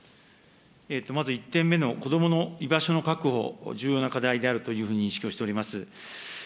まず１点目の子どもの居場所の確保、重要な課題であるというふうに認識をしております。